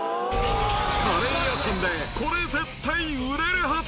カレー屋さんでこれ絶対売れるはず。